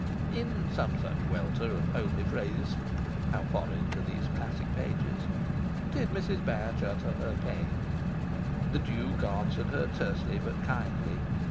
In some such welter of homely phrase (how foreign to these classic pages!) did Mrs. Batch utter her pain. The Duke answered her tersely but kindly.